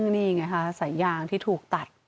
นี่ไงค่ะสายยางที่ถูกตัด